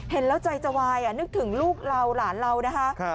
เห็นแล้วใจจะวายนึกถึงลูกเราหลานเรานะคะ